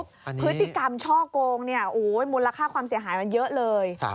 พฤติกรรมช่อกงมูลค่าความเสียหายมันเยอะเลย